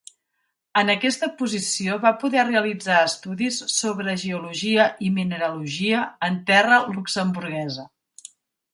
En aquesta posició va poder realitzar estudis sobre geologia i mineralogia en terra luxemburguesa.